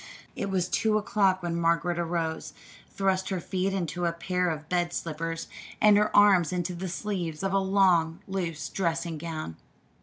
It was two o'clock when Margaret arose, thrust her feet into a pair of bed slippers and her arms into the sleeves of a long, loose dressing gown.